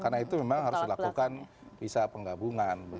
karena itu memang harus dilakukan bisa penggabungan